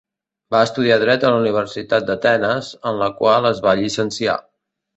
Va estudiar dret a la Universitat d'Atenes, en la qual es va llicenciar.